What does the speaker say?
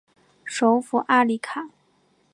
首府阿里卡。